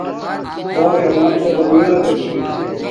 باݽ اما ایک زیعیہ کا چھی۔